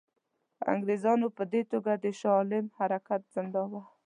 انګرېزانو په دې توګه د شاه عالم حرکت ځنډاوه.